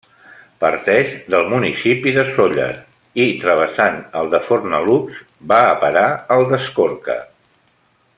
Parteix del municipi de Sóller i travessant el de Fornalutx, va a parar al d'Escorca.